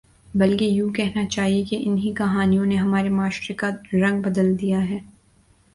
بلکہ یوں کہنا چاہیے کہ ان ہی کہانیوں نے ہمارے معاشرے کا رنگ بدل دیا ہے